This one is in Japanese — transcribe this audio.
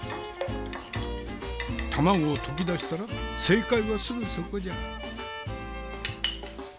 卵を溶きだしたら正解はすぐそこじゃ。